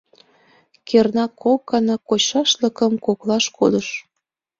Кернак, кок гана кочшашлыкым коклаш кодыш.